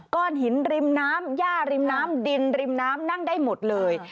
หินริมน้ำย่าริมน้ำดินริมน้ำนั่งได้หมดเลย